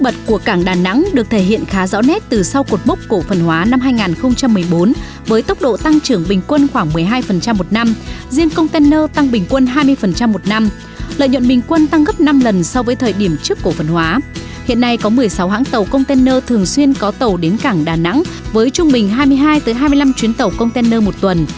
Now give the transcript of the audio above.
thường xuyên có tàu đến cảng đà nẵng với trung bình hai mươi hai hai mươi năm chuyến tàu container một tuần